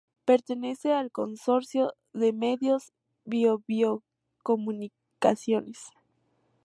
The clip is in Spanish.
Pertenece al consorcio de medios Bío-Bío Comunicaciones.